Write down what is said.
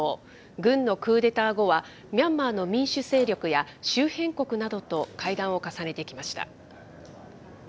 軍のクーデター後は、ミャンマーの民主勢力や、周辺国などと会談を重ねてきました。